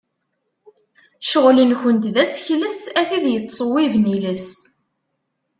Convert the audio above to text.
Ccɣel-nkent d asekles, a tid yettṣewwiben iles.